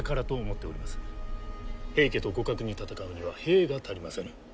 平家と互角に戦うには兵が足りませぬ。